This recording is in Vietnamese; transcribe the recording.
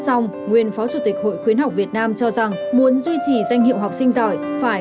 xong nguyên phó chủ tịch hội khuyến học việt nam cho rằng muốn duy trì danh hiệu học sinh giỏi phải